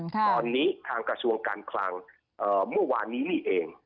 ตอนนี้ทางกระทรวงการคลังเมื่อวานนี้นี่เอง